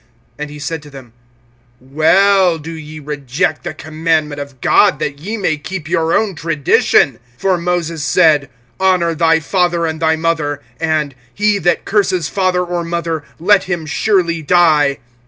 (9)And he said to them: Well do ye reject the commandment of God, that ye may keep your own tradition! (10)For Moses said: Honor thy father and thy mother; and he that curses father or mother, let him surely die.